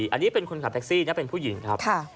อันนี้เป็นคนขับแท็กซี่นะเป็นผู้หญิงครับ